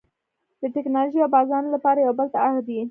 د ټکنالوژۍ او بازارونو لپاره یو بل ته اړ دي